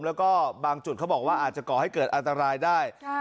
แล้วก็บางจุดเขาบอกว่าอาจจะก่อให้เกิดอันตรายได้